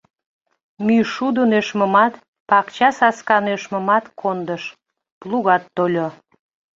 Мӱйшудо нӧшмымат, пакчасаска нӧшмымат кондыш, плугат тольо.